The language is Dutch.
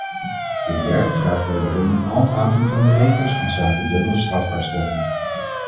Ten derde vragen wij daarin om handhaving van de regels inzake dubbele strafbaarstelling.